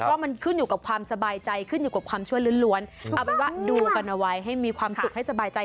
ว่ามันขึ้นอยู่กับความสบายใจขึ้นอยู่กับความช่วยล้วนเอาเป็นว่าดูกันเอาไว้ให้มีความสุขให้สบายใจ